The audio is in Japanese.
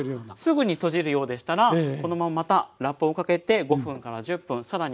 すぐに閉じるようでしたらこのまままたラップをかけて５分から１０分更に発酵させて下さい。